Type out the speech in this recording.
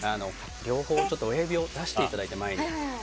両方親指を出していただいて前に。